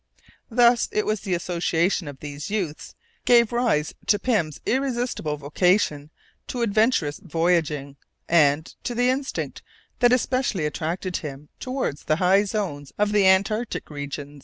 Thus it was that the association of these youths gave rise to Pym's irresistible vocation to adventurous voyaging, and to the instinct that especially attracted him towards the high zones of the Antarctic region.